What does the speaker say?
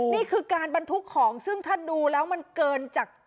นี่คือการบรรทุกของซึ่งถ้าดูแล้วมันเกินจาก